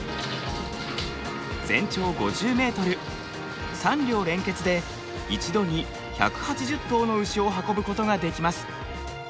全長５０ｍ３両連結で一度に１８０頭の牛を運ぶことができます。